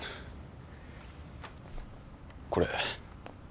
これ。